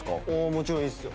もちろんいいですよ。